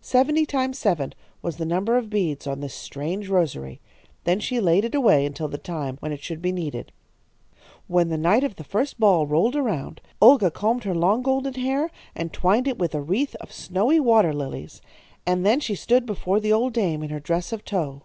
Seventy times seven was the number of beads on this strange rosary. Then she laid it away until the time when it should be needed. "When the night of the first ball rolled around, Olga combed her long golden hair and twined it with a wreath of snowy water lilies, and then she stood before the old dame in her dress of tow.